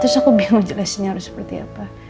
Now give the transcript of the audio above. terus aku bilang jelasinnya harus seperti apa